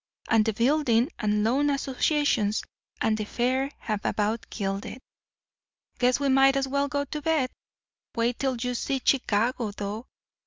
And the building and loan associations and the fair have about killed it. Guess we might as well go to bed. Wait till you see Chicago, though.